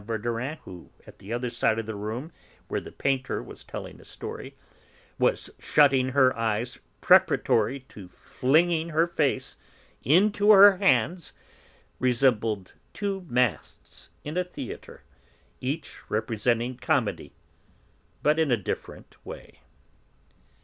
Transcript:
Verdurin (who, at the other side of the room, where the painter was telling her a story, was shutting her eyes preparatory to flinging her face into her hands) resembled two masks in a theatre, each representing Comedy, but in a different way.